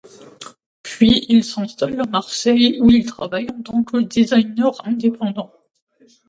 Puis il s’installe à Marseille où il travaille en tant que designer indépendant.